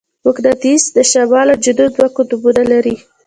مقناطیس د شمال او جنوب دوه قطبونه لري.